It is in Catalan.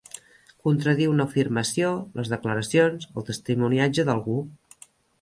Contradir una afirmació, les declaracions, el testimoniatge, d'algú.